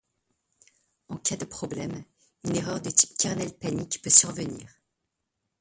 En cas de problème, une erreur de type kernel panic peut survenir.